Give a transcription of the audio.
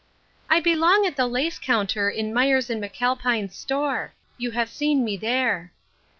" I belong at the lace counter in Myers & McAlpine's store ; you have seen me there."